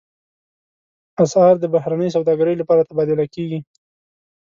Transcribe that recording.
اسعار د بهرنۍ سوداګرۍ لپاره تبادله کېږي.